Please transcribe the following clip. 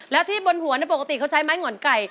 แล้วที่บนหัวปกติเขาใช้ไม้ห่อนไก่